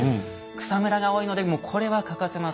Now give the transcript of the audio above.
草むらが多いのでもうこれは欠かせません。